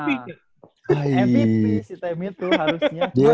mvp si temi tuh harusnya